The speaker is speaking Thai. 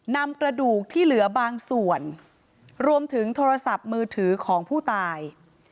นำกระดูกที่เหลือบางส่วนรวมถึงโทรศัพท์มือถือของผู้ตาย